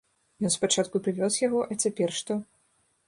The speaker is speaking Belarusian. Ён спачатку прывёз яго, а цяпер што?